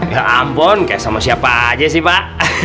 ya ampun kayak sama siapa aja sih pak